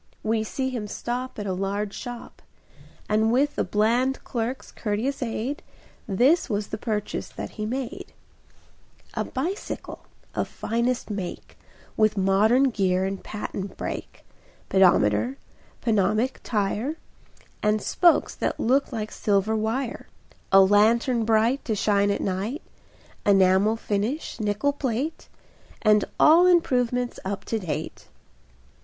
We see him stop At a large shop, And with the bland clerk's courteous aid This was the purchase that he made: A bicycle of finest make, With modern gear and patent brake, Pedometer, pneumatic tire, And spokes that looked like silver wire, A lantern bright To shine at night, Enamel finish, nickel plate, And all improvements up to date.